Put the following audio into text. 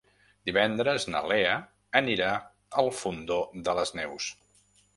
Divendres na Lea anirà al Fondó de les Neus.